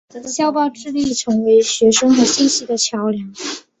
校报致力成为学生与信息的桥梁。